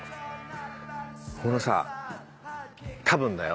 このさ多分だよ。